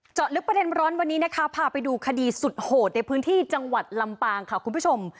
ลึกประเด็นร้อนวันนี้นะคะพาไปดูคดีสุดโหดในพื้นที่จังหวัดลำปางค่ะคุณผู้ชม